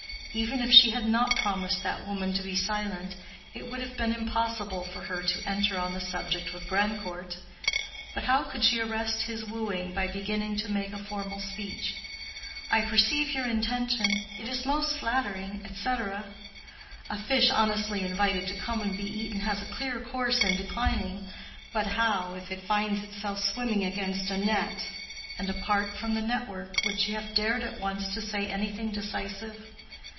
Even if she had not promised that woman to be silent, it would have been impossible for her to enter on the subject with Grandcourt. But how could she arrest his wooing by beginning to make a formal speech—"I perceive your intention—it is most flattering, etc."? A fish honestly invited to come and be eaten has a clear course in declining, but how if it finds itself swimming against a net? And apart from the network, would she have dared at once to say anything decisive?